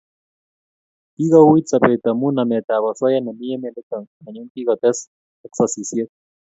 Kikouit sobet amu nametab osoya nemi emet nito anyun kikotes ak sosisiet